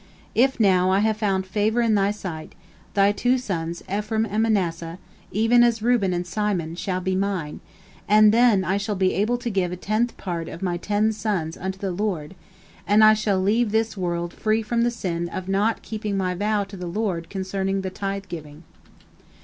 If now I have found favor in thy sight, thy two sons Ephraim and Manasseh, even as Reuben and Simon, shall be mine, and then I shall be able to give a tenth part of my ten sons unto the Lord, and I shall leave this world free from the sin of not keeping my vow to the Lord concerning the tithe giving."